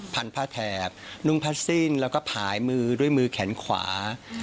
พันภาทแทบนุ้งพัดสิ้นและผายมือด้วยมือแขนขวา